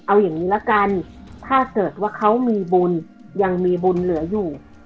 เอาอย่างนี้ละกันถ้าเกิดว่าเขามีบุญยังมีบุญเหลืออยู่